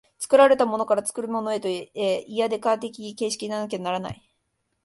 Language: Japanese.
作られたものから作るものへとして、イデヤ的形成的でなければならない。